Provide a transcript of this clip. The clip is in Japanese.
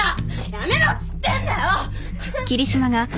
やめろっつってんだよ！